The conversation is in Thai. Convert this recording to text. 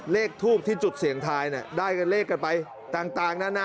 เลขทูบที่จุดเสี่ยงทายได้กันเลขกันไปต่างนานา